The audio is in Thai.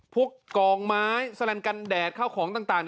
กองไม้แสลันกันแดดเข้าของต่าง